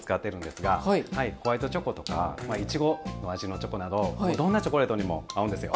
ホワイトチョコとかイチゴの味のチョコなどどんなチョコレートにも合うんですよ。